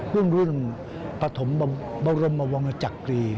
รุ่นรุ่นปฐมบรมวงจักรี